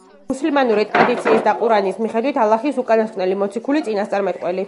მუსლიმანური ტრადიციის და ყურანის მიხედვით, ალაჰის უკანასკნელი მოციქული, წინასწარმეტყველი.